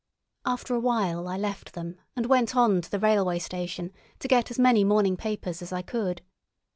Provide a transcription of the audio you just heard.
After a while I left them, and went on to the railway station to get as many morning papers as I could.